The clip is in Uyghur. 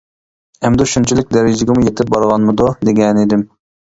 «ئەمدى شۇنچىلىك دەرىجىگىمۇ يېتىپ بارغانمىدۇ» دېگەنىدىم.